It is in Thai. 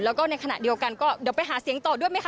แล้วก็ในขณะเดียวกันก็เดี๋ยวไปหาเสียงต่อด้วยไหมคะ